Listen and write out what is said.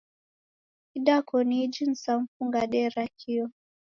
Idakoniji ni saa mfungade ra kio.